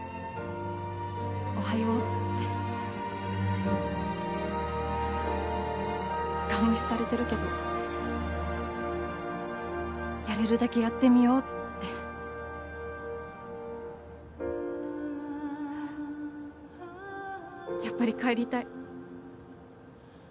「おはよう」ってガン無視されてるけどやれるだけやってみようってやっぱり帰りたい